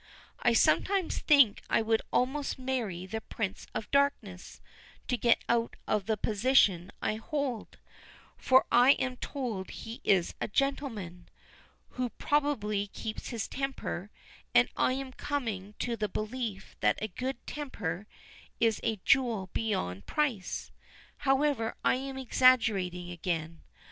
I sometimes think I would almost marry the Prince of Darkness to get out of the position I hold, for I am told he is a gentleman, who probably keeps his temper, and I am coming to the belief that a good temper is a jewel beyond price. However, I'm exaggerating again.